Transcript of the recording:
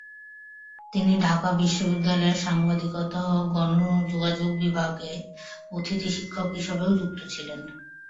তিনি ঢাকা বিশ্ববিদ্যালয়ের সাংবাদিকতা ও গণযোগাযোগ বিভাগে অতিথি শিক্ষক হিসেবেও যুক্ত ছিলেন।